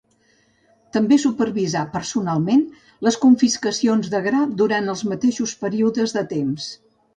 També supervisà personalment les confiscacions de gra durant els mateixos períodes de temps.